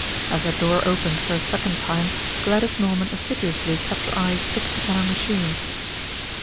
As her door opened for a second time, Gladys Norman assiduously kept her eyes fixed upon her machine.